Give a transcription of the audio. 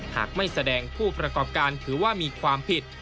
หากไม่แสดงผู้ประกอบการถือว่ามีความผิด